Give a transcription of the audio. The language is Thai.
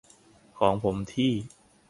ของผมที่